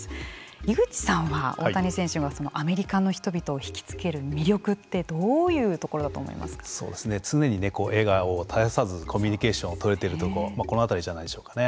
井口さんは大谷選手がアメリカの人々をひきつける魅力って常に笑顔を絶やさずコミュニケーションを取れてるところこの辺りじゃないでしょうか。